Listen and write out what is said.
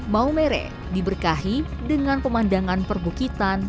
maumere diberkahi dengan pemandangan perbukitan